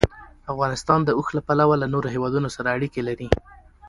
افغانستان د اوښ له پلوه له نورو هېوادونو سره اړیکې لري.